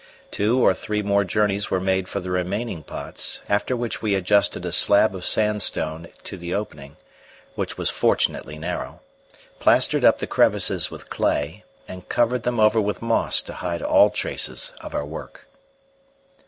Two or three more journeys were made for the remaining pots, after which we adjusted a slab of sandstone to the opening, which was fortunately narrow, plastered up the crevices with clay, and covered them over with moss to hide all traces of our work.